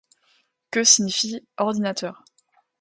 Que signifie ordinateur ?